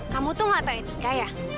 kamu tuh gak tahu yang nikah ya